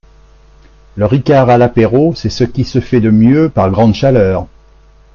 Le ricard à l'apéro c'est ce qui se fait de mieux par grande chaleur